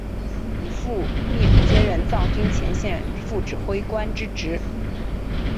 从父命接任藏军前线副指挥官之职。